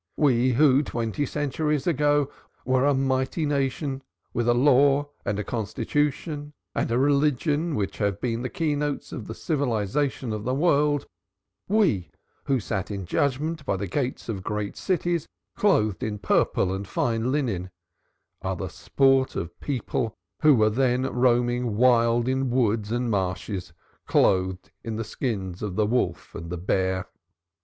We who twenty centuries ago were a mighty nation, with a law and a constitution and a religion which have been the key notes of the civilization of the world, we who sat in judgment by the gates of great cities, clothed in purple and fine linen, are the sport of peoples who were then roaming wild in woods and marshes clothed in the skins of the wolf and the bear.